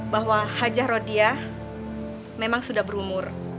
bahwa hajah rodiah memang sudah berumur